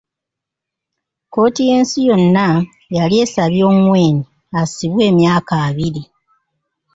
Kkooti y'ensi yonna yali esabye Ongwen asibwe emyaka abiri.